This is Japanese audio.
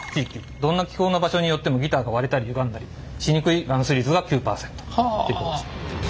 どんな気候の場所によってもギターが割れたりゆがんだりしにくい含水率が９％っていうことですね。